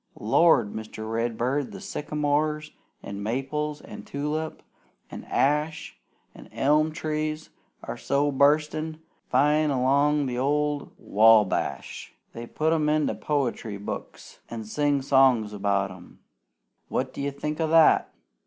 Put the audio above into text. Lord! Mr. Redbird, the sycamores, an' maples, an' tulip, an' ash, an' elm trees are so bustin' fine 'long the old Wabash they put 'em into poetry books an' sing songs about 'em. What do you think o' that?